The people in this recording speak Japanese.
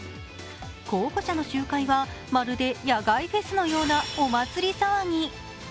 候補者の集会はまるで野外フェスのようなお祭り騒ぎ。